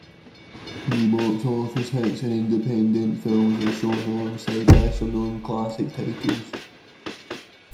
New box-office hits and independent films are shown alongside lesser-known classic titles.